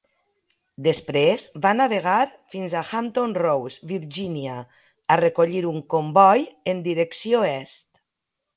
Després va navegar fins a Hampton Roads, Virgínia, a recollir un comboi en direcció est.